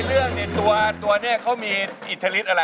ในเรื่องตัวนี่เขามีอิทธิฬิทธิ์อะไร